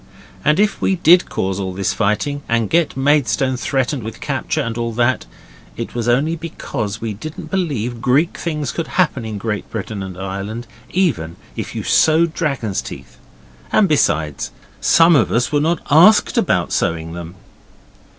And if we did cause all this fighting, and get Maidstone threatened with capture and all that, it was only because we didn't believe Greek things could happen in Great Britain and Ireland, even if you sow dragon's teeth, and besides, some of us were not asked about sowing them.